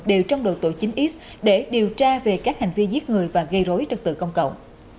đều trong độ tuổi chín x để điều tra về các hành vi giết người và gây rối trật tự công cộng